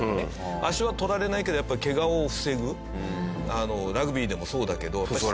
足はとられないけどやっぱりけがを防ぐラグビーでもそうだけど。